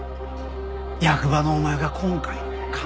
役場のお前が今回の要やぞ。